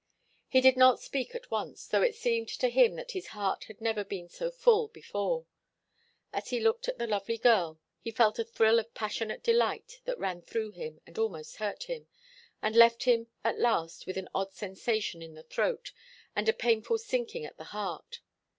He did not speak at once, though it seemed to him that his heart had never been so full before. As he looked at the lovely girl he felt a thrill of passionate delight that ran through him and almost hurt him, and left him at last with an odd sensation in the throat and a painful sinking at the heart.